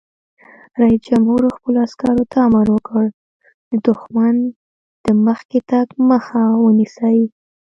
رئیس جمهور خپلو عسکرو ته امر وکړ؛ د دښمن د مخکې تګ مخه ونیسئ!